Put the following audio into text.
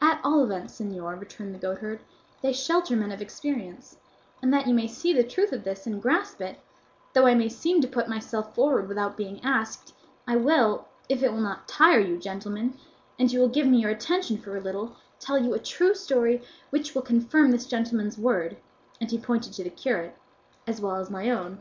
"At all events, señor," returned the goatherd, "they shelter men of experience; and that you may see the truth of this and grasp it, though I may seem to put myself forward without being asked, I will, if it will not tire you, gentlemen, and you will give me your attention for a little, tell you a true story which will confirm this gentleman's word (and he pointed to the curate) as well as my own."